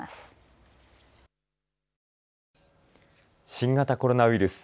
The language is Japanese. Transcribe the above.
新型コロナウイルス。